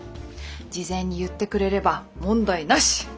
事前に言ってくれれば問題なし！